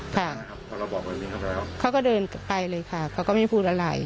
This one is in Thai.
ค่ะเขาก็เดินไปเลยค่ะเขาก็ไม่พูดอะไร